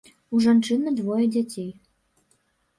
У жанчыны двое дзяцей.